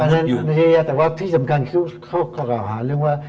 อันนั้นไม่ใช่แต่ว่าที่สำคัญเขากล่าวหาเรื่องว่า